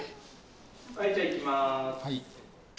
はいじゃあいきます。